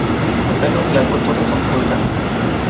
A perro flaco, todo son pulgas